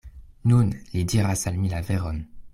Nun li diras al mi la veron.